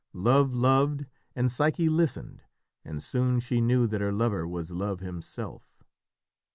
Love loved, and Psyche listened, and soon she knew that her lover was Love himself.